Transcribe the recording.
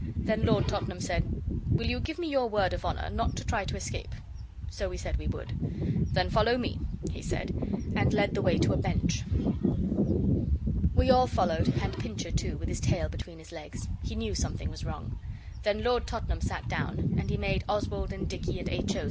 Then Lord Tottenham said 'Will you give me your word of honour not to try to escape?' So we said we would. 'Then follow me,' he said, and led the way to a bench. We all followed, and Pincher too, with his tail between his legs he knew something was wrong. Then Lord Tottenham sat down, and he made Oswald and Dicky and H. O.